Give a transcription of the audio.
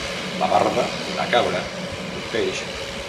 La barba d'una cabra, d'un peix.